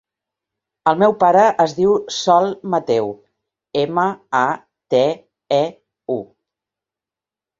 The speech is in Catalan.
El meu pare es diu Sol Mateu: ema, a, te, e, u.